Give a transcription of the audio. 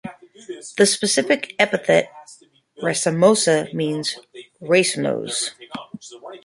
The specific epithet ("racemosa") means "racemose".